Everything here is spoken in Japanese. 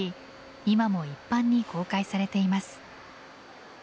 今も一般に公開されています。